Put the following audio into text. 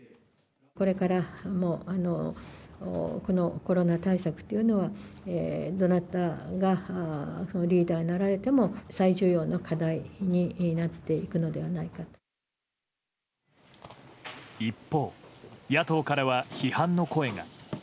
これからも、このコロナ対策というのは、どなたがリーダーになられても、最重要の課題になっ一方、野党からは批判の声が。